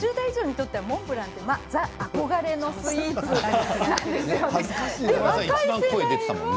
５０代以上にとってはモンブランはザ・憧れのスイーツなんです。